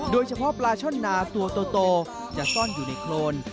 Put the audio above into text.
โดยเฉพาะปลาช่อนนาตัวโตจะซ่อนอยู่ในโครน